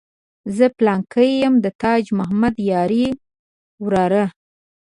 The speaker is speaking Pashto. زه پلانکی یم د تاج محمد یاري وراره.